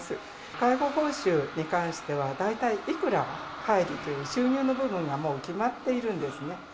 介護報酬に関しては、大体いくら入るという収入の部分がもう、決まっているんですね。